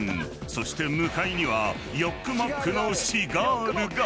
［そして向かいには「ヨックモック」のシガールが］